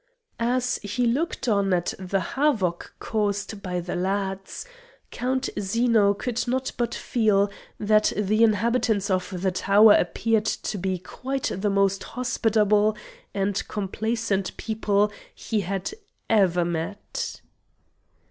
As he looked on at the havoc caused by the lads, Count Zeno could not but feel that the inhabitants of the tower appeared to be quite the most hospitable and complaisant people he had ever met.